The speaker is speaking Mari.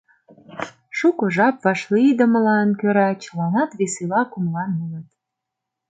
Шуко жап вашлийдымылан кӧра чыланат весела кумылан улыт.